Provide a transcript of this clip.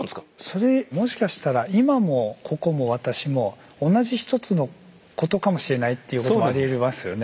それもしかしたら「今」も「ここ」も「私」も同じひとつのことかもしれないっていうこともありえますよね。